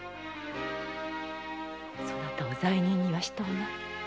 そなたを罪人にはしとうない。